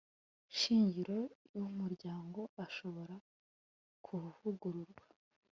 shingiro y umuryango ashobora kuvugururwa